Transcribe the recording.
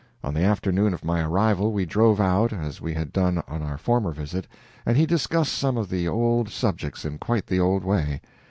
On the afternoon of my arrival we drove out, as we had done on our former visit, and he discussed some of the old subjects in quite the old way.